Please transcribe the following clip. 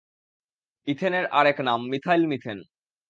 ইথেনের আরেক নাম মিথাইল মিথেন।